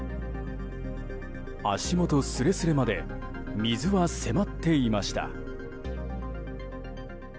足元すれすれまで水は迫っていました。